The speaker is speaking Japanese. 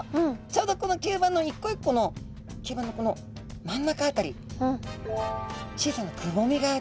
ちょうどこの吸盤の一個一個の吸盤のこの真ん中辺り小さなくぼみがあります。